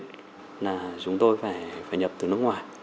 đặc biệt là chúng tôi phải nhập từ nước ngoài